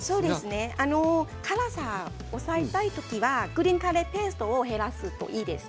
辛さ抑えたい時はグリーンカレーペーストを減らすといいです。